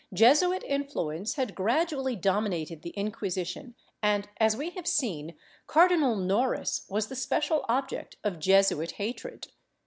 Jesuit influence had gradually dominated the Inquisition and, as we have seen, Cardinal Noris was the special object of Jesuit hatred.